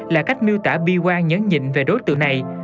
là cách miêu tả bi quan nhấn nhịn về đối tượng này